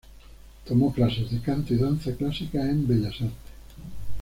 Tomó clases de canto y danza clásica en Bellas Artes.